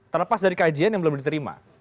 terlepas dari kajian yang belum diterima